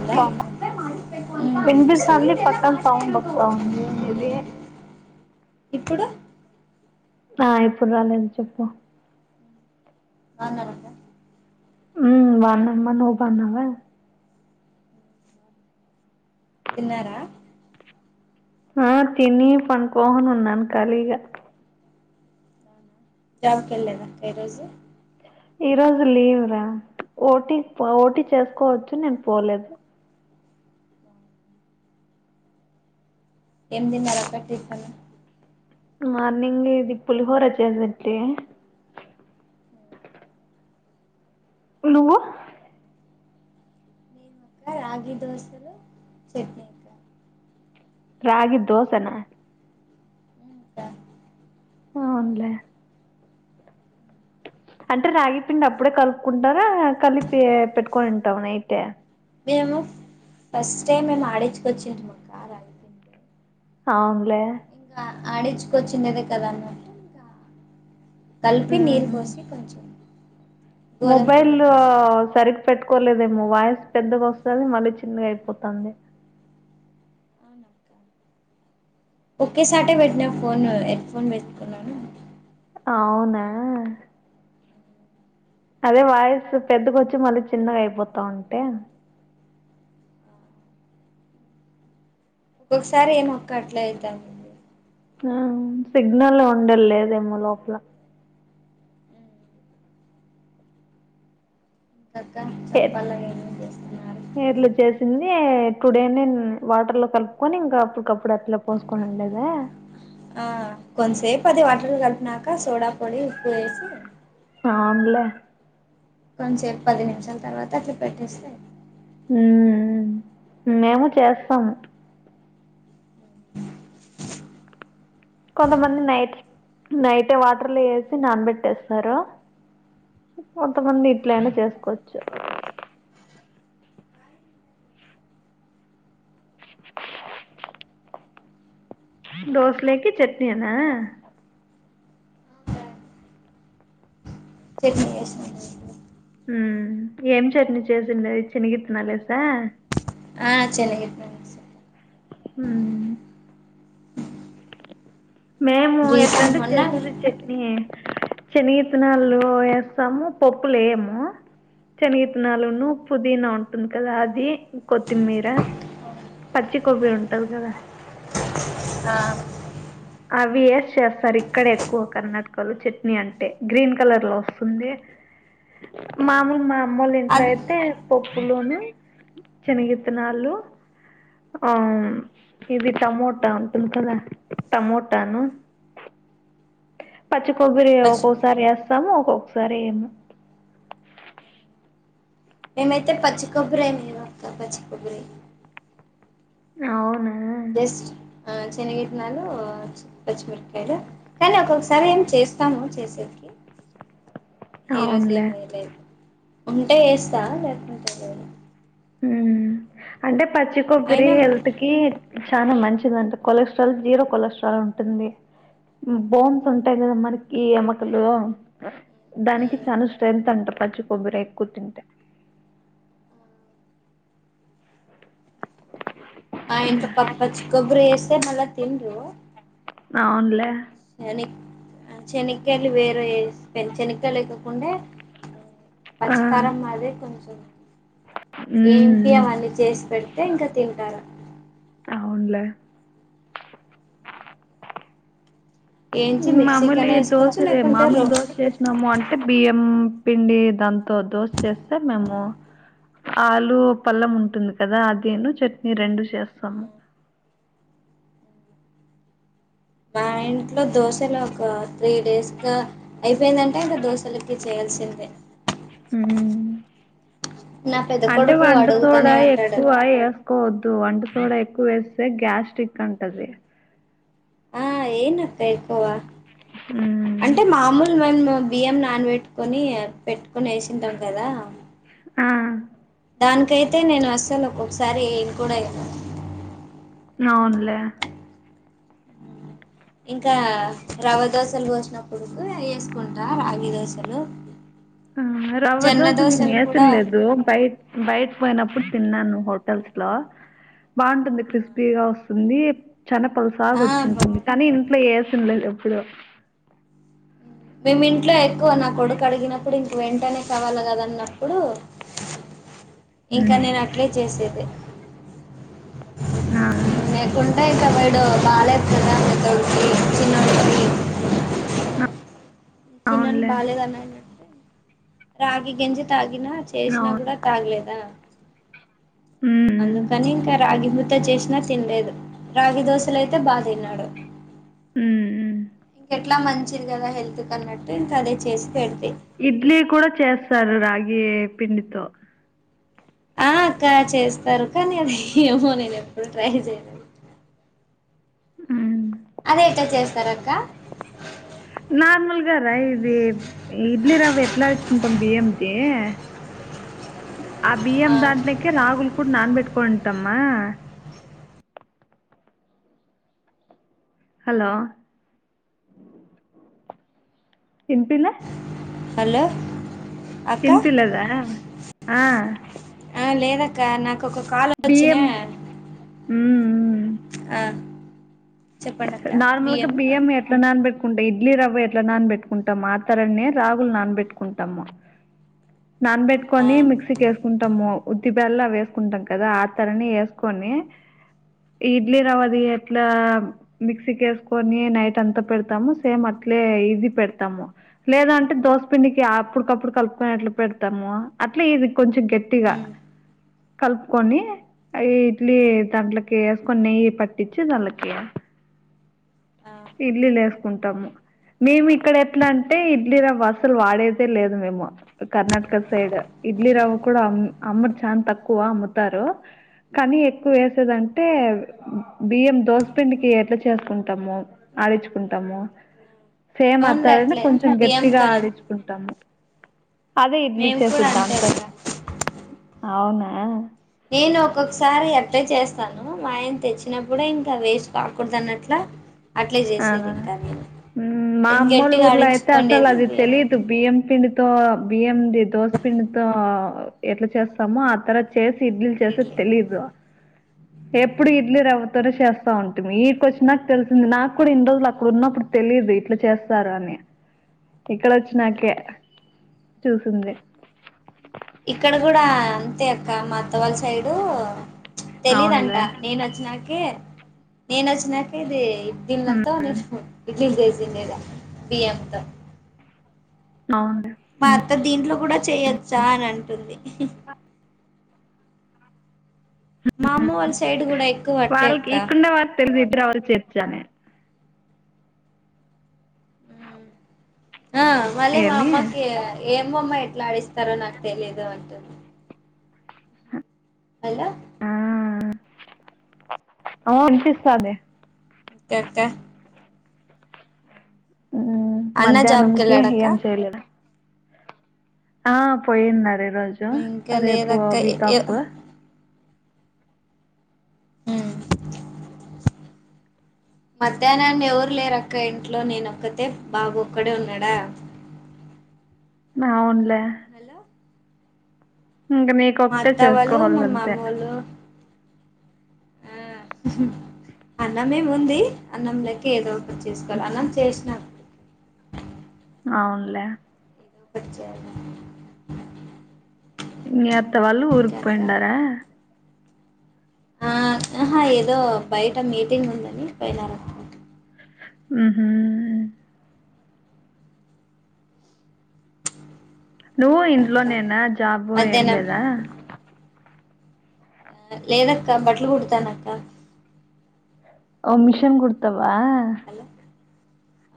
ఉందా? స్తాంద వినిపిస్థంది పక్కకు సౌండ్ వస్తా ఉందినిది ఇప్పుడు ఆ ఇప్పుడు రాలేదు చెప్పు రుద్ద మ్ బాగున్నామ్మా నువ్ బాగున్నావా తిన్నారా ఆ తిని పనుకోని ఉన్నాను ఖాళీగా జాబ్కి వెళ్ళలేదా ఈ రోజు ఈ రోజు లీవ్ రా ఓటీ ఓటీ చేసుకోవచ్చు నేను పోలేదు ఎం తిన్నరక్క టిఫిన్ మార్నింగ్ ఇది పులి హోరా చేేసింటీ నువ్వు ఇంకా రగి దోసలు చట్నీ రాగి దోసనా అక్క ఆవున్లే అంటే రాగి పిండి అప్పుడే కలుపుకుంటారా కలిపి పెట్టుకొని ఉంటాముని అయితే మేము ఫస్ట్ టైం మేము ఆడిచ్చుకొచ్చింటిమి అవున్లే ఇంగ ఆడించుకొచ్చిండేదే కదా అన్నట్టు ఇంకా కలిపి నీరు ఉమ్ పోసి కొంచెం గోధుమ మొబైల్ పిండి పోసి సరి పెట్టుకోలేదేమో వాయిసు పెద్దగా వస్తది మళ్ళీ చిన్నగా అయిపోతాంది అనక్క ఒక్కేసాటే పెట్నా ఫోన్ ఎడ్ ఫోన్ పెట్టుకున్నాను అవునా అదే వాయిస్సు పెద్దగా వచ్చి మళ్ళీ చిన్నగా అయిపోతా ఉంటే ఒక్కొక్కసారి ఏం అక్క అట్లా అయితాం ఆ సిగ్నల్ ఉండలేదేమో లోపల చక్క చప్పాల ఏమేం చేస్తున్నారు ఇట్లు చేసింది టుడే నేను వాటర్ లో కలుపుకొని ఇంకా అప్పటికప్పుడు అట్లా పోసుకోనిండేదా ఆ కొంతసేపు అది వాటర్ కలిపినాక సోడా పొడి ఉప్పు వేసి ఆనులే కొంచసేపు పది నిమిషాల తర్వాత అట్లా పెట్టేస్తే ఉ ఉ మేము చేస్తాము కొంతమంది నైట్ నైటే వాటర్లు ఏసి నానబెట్టేస్తారు కొంతమంది ఇట్లైనా చేసుకోవచ్చు దోసలేకి చట్నీ అనా చెట్ ఏస్ ఉమ్ ఏం చట్నీ చేసిండేది చినిగిత్తినాలేసా ఆ చెన్నగిత్తనల్ ఉ మేము రీసెంట్ ఎట్లాంటే మొన్న చేసేది చట్నీయే శన్నగిత్తనాలు వేస్తాము పప్పులు వేయము శనగిత్తనాలును పుదీనా ఉంటుంది కదా అది కొత్తిమీర పచ్చికొబ్బరి ఉంటది కదా ఆ అవి ఏసి చేస్తారు ఇక్కడ ఎక్కువ కర్నాటకళ్లు చట్నీ అంటే గ్రీన్ కలర్లో వస్తుంది ఆ మామూలు మా అమ్మొల్లు ఇంట్లో అద్ అయితే పప్పులోను శనగిత్తనాలు ఆ ఇది టమోటా ఉంటుంది కదా టమోటాను పచ్చి కొబ్బరి పచ్చి ఒక్కోసారి వేస్ సాము ఒక్కొక్కసారి ఏం మేమైతే పచ్చికొబ్బరి అనిక్క పచ్చి కొబ్బరే అవున చెనగిట్నాలు పచ్చిమిరకాయలు కానీ ఒక్కొక్కొసారి ఏమి చేస్తాను చేసేకి హీరోజ్ అవునులే ఏమి చేయలేదు ఉంటే వేస్తా లేక్ ఉహు అంటే పచ్చి కొబ్బరి అయినా హెల్ త్ కి చాలా మంచిది అంట కొలెస్ట్రాల్ జీరో కొలెస్ట్రాల్ ఉంటుంది బోన్స్ ఉంటాయి కదా మనకి ఎముకలు దానికి మ్మ్ చాల స్ట్రెంత్ అంటరు పచ్చి కొబ్బరి ఎక్కువ తింటే మా ఇంట్లో పప్ పచ్చి కొబ్బరి వేస్తే మళ్ల తినరు అవున్ లె శని శనక్కయలు వేరే పె శనక్కయలు లేక్కకుండా ఆ పచ్చికారం మాదే కొంచెం ఉమ్ ఏంం టి ఉమ్. అవన్నీ చేసి పెడితే ఇంకా తింటారుా అవున్ లే ఏంచి మామూలు ఈ మిక్సీకనే దోశ వేసుకోవచ్చు లె లేకుంటే మామూలు రో దోశ ఎస్ మము అంటే బియ్యం పిండి దాంతో దోశ చేస్తే మేము ఆల్లు పల్లం ఉంటుంది కదా అదీను చట్నీ రెండు చేస్తాము మా ఇంట్లో దోశలు ఒక త్రీ డేస్ దాక అయిపోయిందంటే ఇంక దోశలకి చేయాల్సిందే హు నా పెద్ద అంటే కొడుకు వంట అడుగుతూనే సోడా ఉంటాడు ఎక్కువ వేస్ కోవద్దు వంట సోడ ఎక్కువ వేస్తే గ్యాస్టి్రిక్ అంట అది ఆ ఏయ్ నక్క ఎక్కువ మ్మ్. అంటే మామూలు మేము బియ్యం నాన్ పెట్టుకొని పెట్టుకొని వేసింటాం కదా ఆ దానికైతే నేను అస్సలు ఒక్కొక్కసారి వేయన్ కూడా వేయన్ నవున్ లె ఇంకా రవ్వ దోశలు పోసినప్పుడు వేసుకుంటా రాగి దోశలు ఆ రవ్వ జొన్న దోశ నేను దోశలు కూడా వేసినలేదు బయట బయట్ పోయినప్పుడు తిన్నాను హోటల్స్ లో బాగుంటుంది క్రిస్పీగ వస్తుంది చున పల్స్ బాగ ఆ వచ్చింటుంది బాగుం కానీ ఇంట్లో వేసన్లేదు ఎప్పుడు మేము ఇంట్లో ఎక్కువ నా కొడుకు అడిగిన ఇప్పుడు ఇంక వెంటనే కావాలి కద అన్నప్పుడు ఇంకా ఉమ్ నేను అట్లే చేసేది ఆ లేకుంటే ఇక వీడు బాగోలేదు కదా పెద్దోడికి చిన్నోడుకి చిన్నోనికి అవునులే బాలేదు అన్నాగ రాగి గింజ తాగిన చేసిన కూడ అవునులే తాగలేదా ఉమ్ అందుకని ఇంక రాగి ముద్ద చేసిన తిిన లేదు రాగి దోశల అయితే బాగ తిన్నాడు ఉ ఇంకెట్లా మంచిది కదా హెల్త్ కి అన్నట్టు ఇంకా అదే చేసి పెడితే ఇడ్లీ కూడ చేస్తారు రాగి పిండితో ఆ అక్క చేస్తారు కానీ అది ఏమో నేను ఎప్పుడు ట్రై చేయలే ఉ అది ఎట్లా చేస్తారు అక్క నార్మల్ గార ఇది ఇడ్లీ రవ్వ ఎట్ల అడుచుకుంటాం బియ్యం తి ఆ బియ్యం దాంట్లోకే రాగులు కూడా నానబెట్టుకని ఉంటమా హలో తినీపిలే హలో అక్క తినిపిలేదా ఆ ఆ లేదక్క నాకు ఒక కాల్ వచ్చన బియ్యం ఉమ్ ఆ చెప్పండి అక్క నార్మల్గా బియ్యము బియ్యం ఎట్లా నానబెట్టుకుంటాం ఇడ్లీ రవ్వ ఎట్లా నానబెట్టుకుంటాం ఆ తరేగానే రాగులు నానబెట్టుకుంటాము నాన్ ఆ పెట్టుకొని మిక్సీకి వేసు కుంటాము ఉద్దీబ్యాళ్ళు అవి వేసుకుంటాం కదా ఆ తరని వేసుకొని ఇడ్లీ ఉమ్ రవ్వది ఎట్లా మిక్సీకేసుకొని నైట్ అంతా పెడతాము సేమ్ అట్లే ఇది పెడతాము లేదంటే దోసపిండికి అప్పుటికప్పుడు కలుపుకుని ఎట్లా పెడతాము అట్లే ఇది కొంచెం గట్టిగా కలుపుకొని అ ఇడ్లీ దాంట్లోకి వేసుకొని నెయ్యి పట్టించి దాన్లకి ఆ వేసుకుంటాము మేము ఇక్కడ ఎట్లా అంటే ఇడ్లీరవ్వ అస్సలు వాడేదే లేదు మేము కర్ణటక సైడ్ ఇడ్లీ ఉమ్ రవ్వ కూడా అమ్ అమ్మరు చానా తక్కువ అమ్ముతారు కానీ ఎక్కువ వేసేదంటే బియ్యం దోసపిండికి ఎట్లా చేసుకుంటాము ఆడిచ్చుకుంటాము సేమ్ అవునులే అట్లనే అట్లే కొంచెం గట్టిగా బియ్యంతోనే ఆడించుకుంటాము అదే ఇడ్లీ మేము కూడా చేసేది అంతే అక్క దాంతోనే అవునా నేను ఒక్కొక్కసారి అట్లే చేస్తాను మాఆయన తెచ్చినప్పుడే ఇంకా వేస్ట్ కాకూడదు అన్నట్లా అట్లే ఆ చేసేది ఇంకా నేను మా ఇంగ అమ్మోళ్ళ గట్టిగా ఊర్లో అయితే అసలు ఆడిచ్చుకోండేది అది తెలీదు బియ్యం పిండితో బియ్యంది దోస పిండితో ఎట్లా చేస్తామో ఆ తరత చేసి ఇడ్లీల్ చేస్తే ఇడ్లీ తెలీదు ఎప్పుడు ఇడ్లీ రవ్వతోనే చేస్తా ఉంటిమి ఇడికి వచ్చినాక తెలిసింది నాకు క్కూడా ఇన్ని రోజులు అక్కడ ఉన్నప్పుడు తెలిదు ఇట్లా చేస్తారు అని ఇక్కడ వచ్చినాకే చూసింది ఇక్కడ కూడా అంతే అక్క మా అత్త వాళ్ళ సైడు తెలీదంటా అవునులే నేను వచ్చినాకే నేను వచ్చినాకే ఇది దీన్లతో మ్మ్ నేను ఇడ్లీ చేసిండేది బియ్యంతో అవ్ అండి మా అత్త దీంట్లో కూడా చేయొచ్చా అని అంటుంది మా అమ్మ వాళ్ళ సైడ్ కూడా ఎక్కువ అట్లే అక్క తెలుదు ఇడ్లీ రవ్వని తెచ్చానే ఆ మళ్ళీ మా ఏమి అమ్మకి ఏమో అమ్మ ఎట్లా ఆడిస్తారో నాకు తెలీదు అంటుంది అలా ఆ ఆడిస్తాలే త త్త ఉ అన్న జాబ్కి మధ్యాహ్నంకి వెళ్ళాడక్క ఏం చేయలేద ఆ పోయిన్నారు ఈరోజు ఇంకా రేపు వీక్ లేదక్క ఆఫ్ మధ్యాహ్నం ఎవరు లేరక్క ఇంట్లో నేనొక్కతే బాబు ఒక్కడే ఉన్నాడా అవునులే హలో ఇంగ మిరు మా అత్త వాళ్ళు మా మామోళ్ళు ఆ అన్నమేముంది అన్నం లేకి ఏదో చేస్కోలా అన్నం చేసిన అవునులే ఏదో ఒకటి [unintelligible] మీ అత్త వాళ్ళు ఇంకా ఊరుక్కు అక్క పోయిండారా? ఆ హాఁ ఏదో బయట మీటింగ్ ఉందని పోయినార మ్మ్ హుఁ నువ్వు అక్క ఇంట్లోనేనా జాబు ఏం మధ్యాహ్నం లేదా? లేదక్క బట్టలు కుడ్తనక్క ఓ మిషన్ కుడ్తవా హలో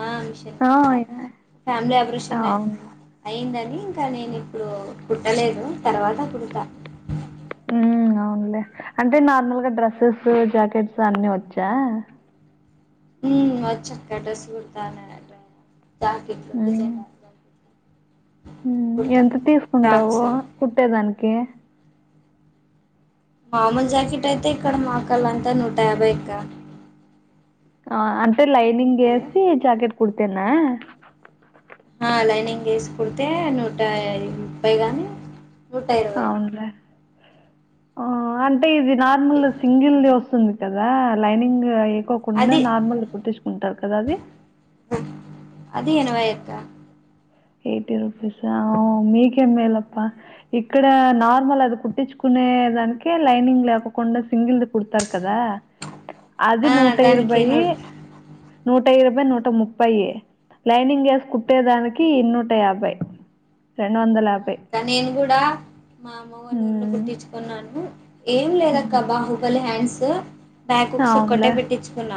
ఆఁ మిషన్ ఆ కుడ్త అవునులే [unintelligible] అయిందని ఇంక నేనిప్పుడు కుట్టలేదు తర్వాత కుడుత మ్మ్ అవునులే అంటే నార్మల్గా డ్రెస్సెస్సు జకెట్స్ అన్ని వచ్చా మ్మ్ వచ్చక్క డ్రెస్ కుడ్త [unintelligible] జాకిట్లు డిజైన్ జా బ్లౌజులు మ్మ్ ఎంత తీసుకుంటావు ఫ్రాక్స్ కుట్టేదానికి మామూలు జాకిట్ అయితే ఇక్కడ మాక్కళ్ళంత నూట యాభైయాక్క ఆ అంటే లైనింగ్ హలో వేసి జాకెట్ కుడ్తేనా ఆ లైనింగ్ వేసి కుడ్తే నూట ఈ ముప్పై గాని నూట ఇరవై అవునులే ఓ అంటే ఇది నార్మల్ సింగిల్ది వస్తుంది కదా లైనింగ్ ఎకోకుండా అది నార్మల్ది కుట్టించుకుంటారు కదా అది అది ఎనవైయాక్క ఏటీ రూపీస్ హా ఓ మీకె మేలప్ప ఇక్కడ నార్మల్ అది కుట్టించుకునే దానికే లైనింగ్ లేకకుండా సింగిల్ది కుడ్తరు కదా అది ఆ నూట దానికి నూ ఇరవైయ్యి నూట ఇరవై నూట ముప్పైయి లైనింగ్ ఎసి కుట్టేదానికి కి నూటయాభై రెండు వందల యాభై నేను గూడ మా అమ్మ వాళ్ళ ఊర్లో ఉమ్, కుట్టించుకున్నాను ఏం లేదక్క ఉమ్. బాహు ఫుల్ హండ్స్ బ్యాక్ హుక్స్ ఒకటే అవునులే పెట్టించుకున్న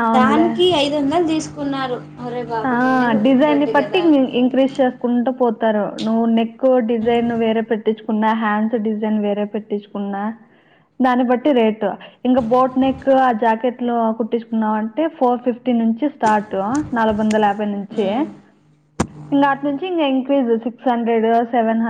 అవునులే దానికి ఐద్ జోన్నలు తీసుకున్నారు ఒరేయ్ ఆ! బాబు నేనే డిజైన్‌ని కుట్టుకుంటాంటి బట్టి గదా ఇం ఇంక్రీజ్ చేస్కూంట పోతారు నువ్వు నెక్ డిజైన్ ఉమ్ వేరే పెట్ పెట్టించుకున్న హ్యాండ్స్ డిజైన్ వేరే పెట్టించుకున్న దాన్ని బట్టి రేటు ఇంగ బోట్ నెక్ ఆ జాకెట్ లో కుట్టించుకున్నావు అంటే ఫోర్ ఫిఫ్టీ నుంచి స్టార్ట్ నలుగొందల యాభై నుంచే ఉమ్ ఇంగా అటు నుంచి ఇంక increase six hundred, seven hundred